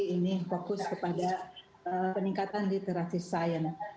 ini fokus kepada peningkatan literasi science